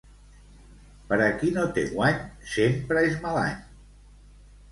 Per a qui no té guany, sempre és mal any.